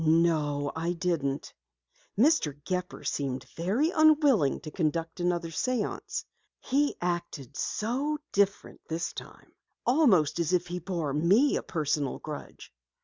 "No, I didn't. Mr. Gepper seemed very unwilling to conduct another séance. He acted so different this time almost as if he bore me a personal grudge."